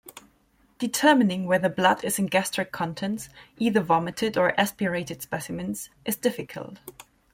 Determining whether blood is in gastric contents, either vomited or aspirated specimens, is difficult.